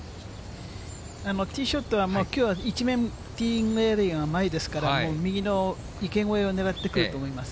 ティーショットは、もう、きょうは一面、ティーイングエリアの前ですから、右の池越えを狙ってくると思います。